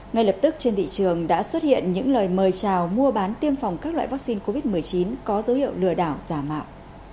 ngay lập tức trên thị trường đã xuất hiện những lời mời chào mua bán tiêm phòng các loại vaccine covid một mươi chín có dấu hiệu lừa đảo giả mạo